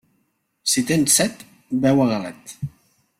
Si tens set, beu a galet.